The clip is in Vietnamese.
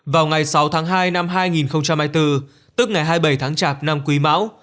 vào ngày sáu tháng hai năm hai nghìn hai mươi bốn tức ngày hai mươi bảy tháng chạp năm quý mão